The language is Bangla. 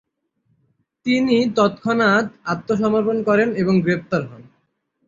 তিনি তৎক্ষণাৎ আত্মসমর্পণ করেন এবং গ্রেফতার হন।